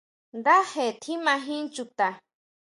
Ndaje tjimajin Chuta.